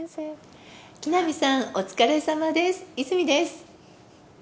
木南さん、お疲れさまです。